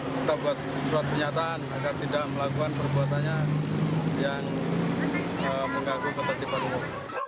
kita buat surat pernyataan agar tidak melakukan perbuatannya yang mengganggu ketertiban umum